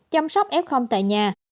chăm sóc ép không tại nhà